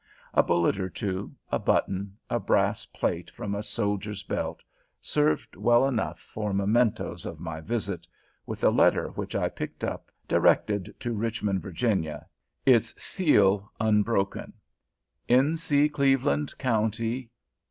A bullet or two, a button, a brass plate from a soldier's belt, served well enough for mementos of my visit, with a letter which I picked up, directed to Richmond, Virginia, its seal unbroken. "N. C. Cleveland County.